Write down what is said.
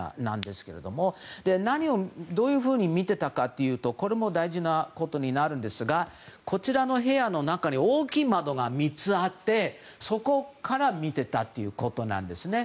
何をどういうふうに見てたかというとこれも大事なことになるんですがこちらの部屋の中に大きい窓が３つあって、そこから見ていたということなんです。